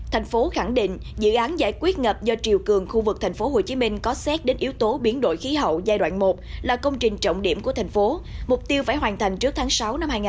thành phố khẳng định dự án giải quyết ngập do triều cường khu vực tp hcm có xét đến yếu tố biến đổi khí hậu giai đoạn một là công trình trọng điểm của thành phố mục tiêu phải hoàn thành trước tháng sáu năm hai nghìn hai mươi